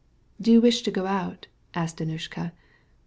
"Do you wish to get out?" asked Annushka.